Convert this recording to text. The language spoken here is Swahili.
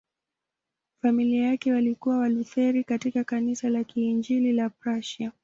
Familia yake walikuwa Walutheri katika Kanisa la Kiinjili la Prussia.